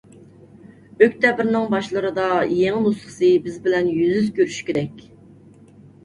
ئۆكتەبىرنىڭ باشلىرىدا يېڭى نۇسخىسى بىز بىلەن يۈز كۆرۈشكۈدەك!